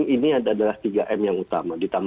ini adalah tiga m yang utama